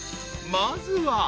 ［まずは］